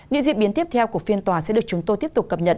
những diễn biến tiếp theo của phiên tòa sẽ được chúng tôi tiếp tục cập nhật